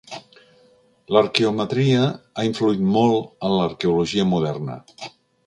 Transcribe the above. L'arqueometria ha influït molt en l'arqueologia moderna.